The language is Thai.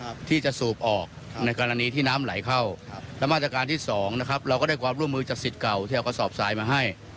ที่จะสูบออกในกรณีที่น้ำไหลเข้าครับแล้วมาตรการที่สองนะครับเราก็ได้ความร่วมมือจากสิทธิ์เก่าที่เอากระสอบทรายมาให้